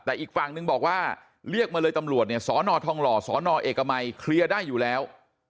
แต่อีกฝั่งนึงบอกว่าเรียกมาเลยตำรวจเนี่ยสอนอทองหล่อสนเอกมัยเคลียร์ได้อยู่แล้ว